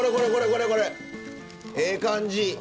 あこれこれこれ！ええ感じ！